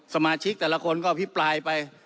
สมาชิกแต่ละคนก็อภิปรายไป